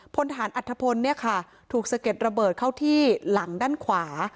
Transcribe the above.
พลฐานอัธพลเนี่ยค่ะถูกสะเก็ดระเบิดเข้าที่หลังด้านขวา